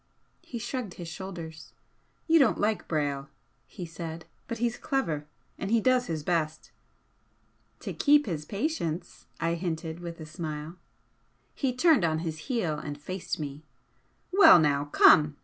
He shrugged his shoulders. "You don't like Brayle," he said "But he's clever, and he does his best." "To keep his patients," I hinted, with a smile. He turned on his heel and faced me. "Well now, come!"